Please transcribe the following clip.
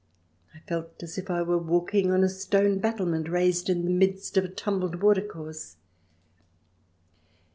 I felt as if I were walking on a stone battle ment, raised in the midst of a tumbled watercourse.